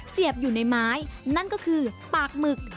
เสียบอยู่ในไม้นั่นก็คือปากหมึก